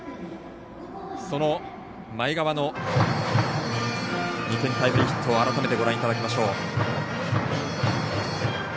その前川の２点タイムリーヒットを改めてご覧いただきましょう。